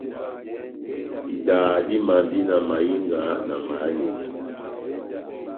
Idaha dimandi na mahinga, na mahaleya.